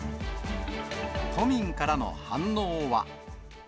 都民からの反応は。